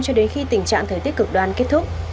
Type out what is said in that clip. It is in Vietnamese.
cho đến khi tình trạng thời tiết cực đoan kết thúc